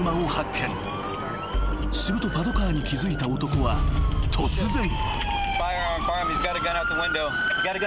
［するとパトカーに気付いた男は突然］